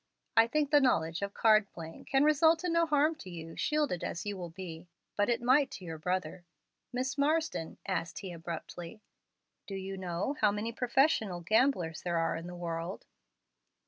I think the knowledge of card playing can result in no harm to you, shielded as you will be, but it might to your brother. Miss Marsden," asked he, abruptly, "do you know how many professional gamblers there are in the world?"